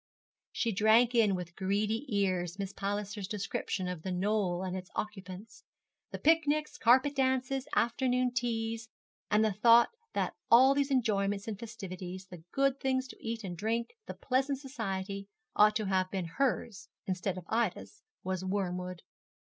She drank in with greedy ears Miss Palliser's description of The Knoll and its occupants the picnics, carpet dances, afternoon teas; and the thought that all these enjoyments and festivities, the good things to eat and drink, the pleasant society, ought to have been hers instead of Ida's, was wormwood.